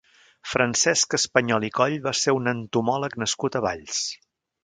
Francesc Español i Coll va ser un entomòleg nascut a Valls.